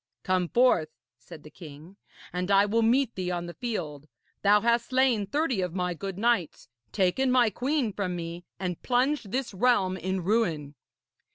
'Come forth,' said the king, 'and I will meet thee on the field. Thou hast slain thirty of my good knights, taken my queen from me, and plunged this realm in ruin.'